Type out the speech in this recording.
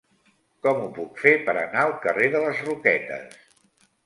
Com ho puc fer per anar al carrer de les Roquetes?